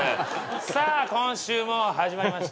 さあ今週も始まりました